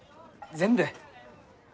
全部？